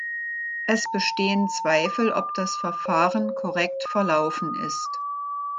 Es bestehen Zweifel, ob das Verfahren korrekt verlaufen ist.